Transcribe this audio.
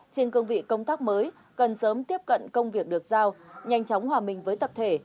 trên cương vị công tác mới cần sớm tiếp cận công việc được giao nhanh chóng hòa mình với tập thể